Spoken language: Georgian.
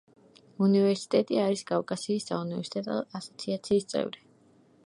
უნივერსიტეტი არის კავკასიის საუნივერსიტეტო ასოციაციის წევრი.